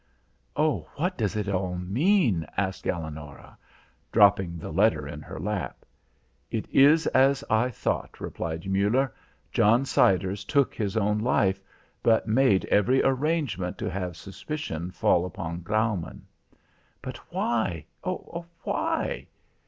"Oh, what does it all mean?" asked Eleonora, dropping the letter in her lap. "It is as I thought," replied Muller. "John Siders took his own life, but made every arrangement to have suspicion fall upon Graumann." "But why? oh, why?"